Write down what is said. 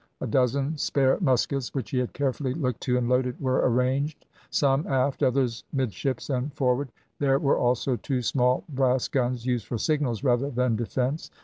A dozen spare muskets which he had carefully looked to and loaded were arranged, some aft, others midships and forward. There were also two small brass guns, used for signals rather than defence.